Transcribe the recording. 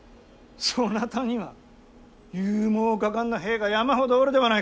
そなたには勇猛果敢な兵が山ほどおるではないか。